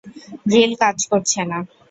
Drill কাজ করছে না।